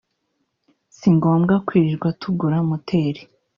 si ngobwa kwirirwa tugura moteri